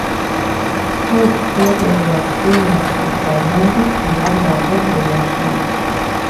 Pulks piedalījās cīņās pret Bermontu un Latgales atbrīvošanā.